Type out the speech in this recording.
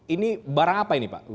ini barang apa ini pak